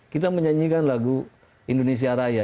kita menyanyikan lagu indonesia raya